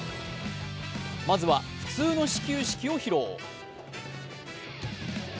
まずは普通の始球式を披露。